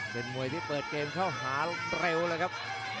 เป็นมวยที่เปิดเกมเข้าหาเร็วเลยครับ